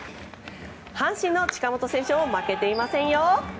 阪神の近本選手も負けていませんよ。